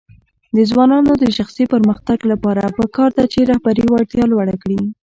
د ځوانانو د شخصي پرمختګ لپاره پکار ده چې رهبري وړتیا لوړه کړي.